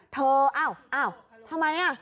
เธออ้าวทำไมอ่ะ